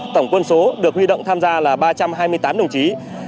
tổng quân số được huy động tham gia là ba trăm hai mươi tám đồng chí